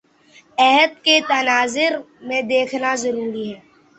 عہد کے تناظر میں دیکھنا ضروری ہے